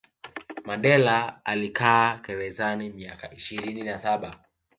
mandela alikaa gerezani miaka ishirini na saba